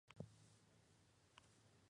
La restauración duró tres años.